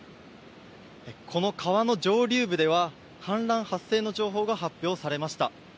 この川の上流部では氾濫発生の情報が発表されました。